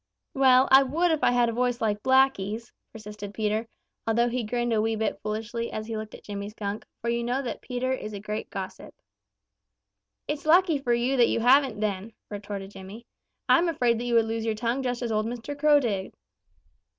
"Well, I would if I had a voice like Blacky's," persisted Peter, although he grinned a wee bit foolishly as he looked at Jimmy Skunk, for you know Peter is a great gossip. "It's lucky for you that you haven't then," retorted Jimmy. "I'm afraid that you would lose your tongue just as old Mr. Crow did."